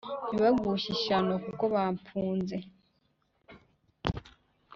Nibagushe ishyano kuko bampunze,